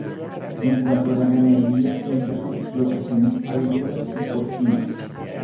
En cuanto a la ganadería cuenta con explotaciones avícolas y porcinas.